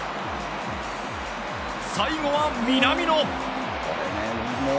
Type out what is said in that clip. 最後は、南野。